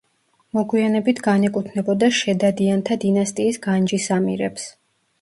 მოგვიანებით განეკუთვნებოდა შედადიანთა დინასტიის განჯის ამირებს.